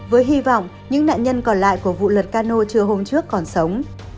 với hy vọng những nạn nhân còn lại của vụ lật cano chưa hôm trước còn sống